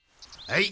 はい。